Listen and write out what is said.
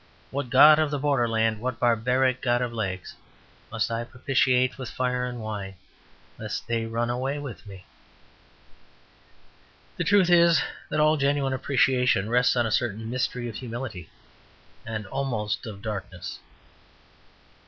What god of the borderland, what barbaric god of legs, must I propitiate with fire and wine, lest they run away with me?" The truth is, that all genuine appreciation rests on a certain mystery of humility and almost of darkness.